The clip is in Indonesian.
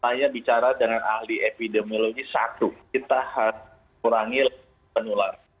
saya bicara dengan ahli epidemiologi satu kita harus kurangi penularan